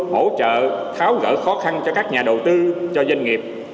hỗ trợ tháo gỡ khó khăn cho các nhà đầu tư cho doanh nghiệp